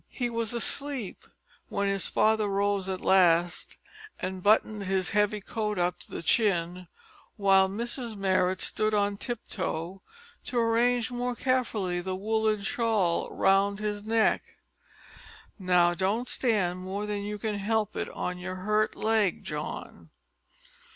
He was asleep when his father rose at last and buttoned his heavy coat up to the chin, while Mrs Marrot stood on tiptoe to arrange more carefully the woollen shawl round his neck. "Now, don't stand more than you can help on your hurt leg, John."